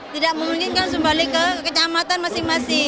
tidak memungkinkan kembali ke kecamatan masing masing